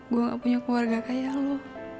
gue gak punya keluarga kayak lo